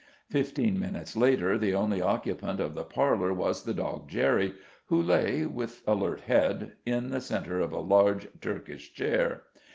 Fifteen minutes later the only occupant of the parlor was the dog Jerry, who lay, with alert head, in the centre of a large "Turkish chair.